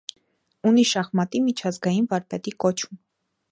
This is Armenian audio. Ունի շախմատի միջազգային վարպետի կոչում։